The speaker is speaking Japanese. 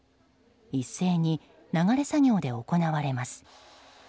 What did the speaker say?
一斉に流れ作業で行われます。